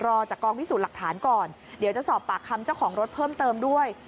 จากกองพิสูจน์หลักฐานก่อนเดี๋ยวจะสอบปากคำเจ้าของรถเพิ่มเติมด้วย